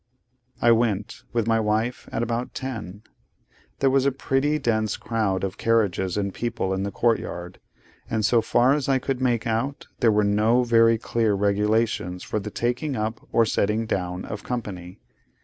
I went, with my wife, at about ten. There was a pretty dense crowd of carriages and people in the court yard, and so far as I could make out, there were no very clear regulations for the taking up or setting down of company.